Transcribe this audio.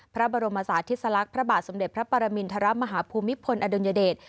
พระบรมศาสติสลักษณ์พระบาทสมเด็จพระปรมินทรมาฮภูมิพลอดุลยเดช